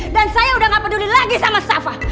dan saya udah gak peduli lagi sama sava